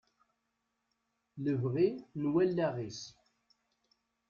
Lebɣi n wallaɣ-is.